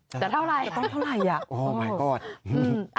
จะเท่าไหร่จะเท่าไหร่อ่ะโอ้มายก็อดอืม